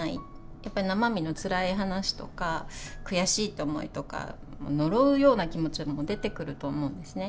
やっぱり生身のつらい話とか悔しいという思いとか呪うような気持ちも出てくると思うんですね。